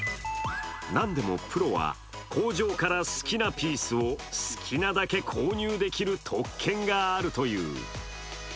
なんでもプロは、工場から好きなピースを好きなだけ購入できる特権があるという。